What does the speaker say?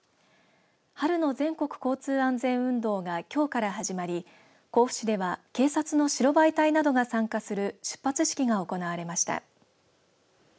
春の全国交通安全運動がきょうから始まり甲府市では警察の白バイ隊などが参加する出発式が行われました。